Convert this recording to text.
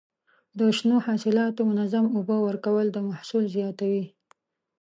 د شنو حاصلاتو منظم اوبه ورکول د محصول زیاتوي.